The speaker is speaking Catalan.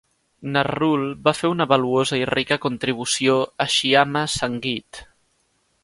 Nazrul va fer una valuosa i rica contribució a Shyama Sangeet.